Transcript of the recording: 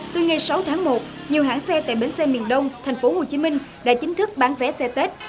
từ ngày sáu tháng một nhiều hãng xe tại bến xê miền đông thành phố hồ chí minh đã chính thức bán vé xe tết